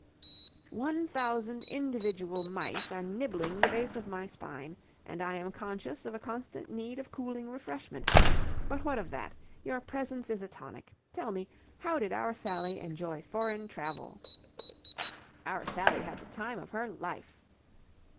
"One thousand individual mice are nibbling the base of my spine, and I am conscious of a constant need of cooling refreshment. But what of that? Your presence is a tonic. Tell me, how did our Sally enjoy foreign travel?" "Our Sally had the time of her life."